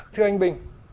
thưa anh bình